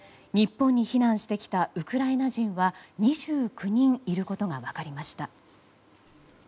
日本に避難してきたウクライナ人は２９人いることが分かりました。